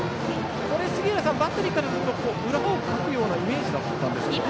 杉浦さん、バッテリーからすると裏をかくようなイメージでしたかね。